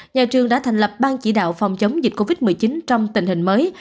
nhà trường đã thành lập ban chỉ đạo phòng chống dịch covid một mươi chín trong tình hình mới